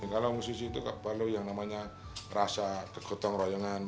kalau musisi itu perlu yang namanya rasa kegotong royongan